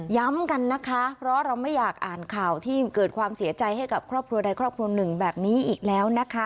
ย้ำกันนะคะเพราะเราไม่อยากอ่านข่าวที่เกิดความเสียใจให้กับครอบครัวใดครอบครัวหนึ่งแบบนี้อีกแล้วนะคะ